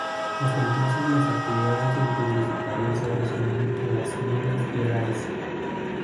Hasta entonces las actividades del publicitario se resumían la Minas Gerais.